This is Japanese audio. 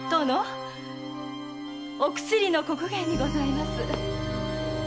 お薬の刻限にございます。